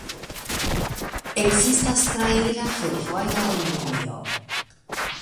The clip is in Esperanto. Ekzistas traira fervoja linio.